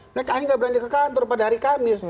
mereka akhirnya nggak berani ke kantor pada hari kamis